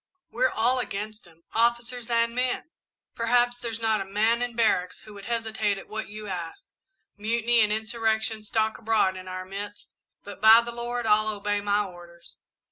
"We're all against him officers and men. Perhaps there's not a man in barracks who would hesitate at what you ask mutiny and insurrection stalk abroad in our midst, but, by the Lord, I'll obey my orders!